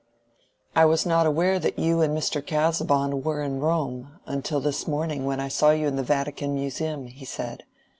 "I was not aware that you and Mr. Casaubon were in Rome, until this morning, when I saw you in the Vatican Museum," he said.